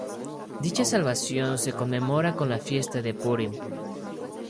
Dicha salvación se conmemora con la fiesta de Purim.